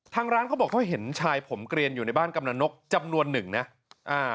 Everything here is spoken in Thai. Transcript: ทางร้านเขาบอกเขาเห็นชายผมเกลียนอยู่ในบ้านกำลังนกจำนวนหนึ่งนะอ่า